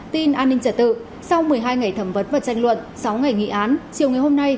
tin an ninh trả tự sau một mươi hai ngày thẩm vấn và tranh luận sáu ngày nghị án chiều ngày hôm nay